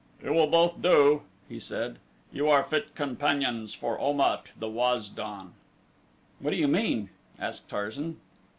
"You will both do," he said. "You are fit companions for Om at, the Waz don." "What do you mean?" asked Tarzan.